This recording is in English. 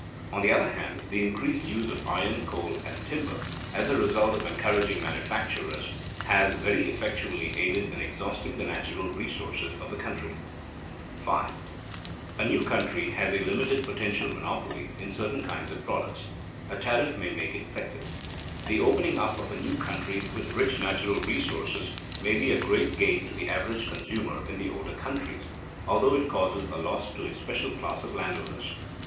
On the other hand, the increased use of iron, coal, and timber, as a result of encouraging manufactures, has very effectually aided in exhausting the natural resources of the country. [Sidenote: Protection as a monopoly measure] 5. A new country has a limited potential monopoly in certain kinds of products; a tariff may make it effective. The opening up of a new country with rich natural resources may be a great gain to the average consumer in the older countries, although it causes a loss to a special class of landowners.